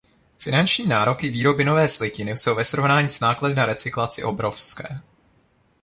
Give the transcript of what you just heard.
Finanční nároky výroby nové slitiny jsou ve srovnání s náklady na recyklaci obrovské.